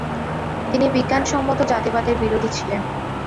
তিনি বিজ্ঞানসম্মত জাতিবাদের বিরোধী ছিলেন।